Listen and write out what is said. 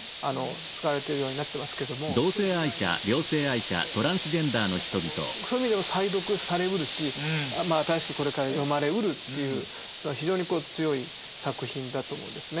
つかわれてるようになってますけどもそういう時代に生きてる中でやっぱりそういう意味でも再読されうるし新しくこれから読まれうるという非常に強い作品だと思うんですね。